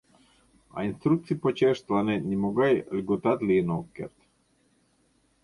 А инструкций почеш тыланет нимогай льготат лийын ок керт.